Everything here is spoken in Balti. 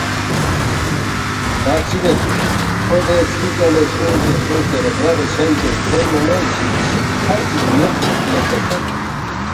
“ تا چِہ بیک کھو دے چُھو ژَلے سونگسے سونگسے اَنا برَغی چھن پِنگ تھونما نہ جِگجِگ ژھر چِک یودسُوک لے کسل